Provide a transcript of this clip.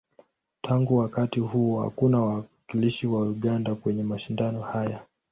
Tangu wakati huo, hakuna wawakilishi wa Uganda kwenye mashindano haya.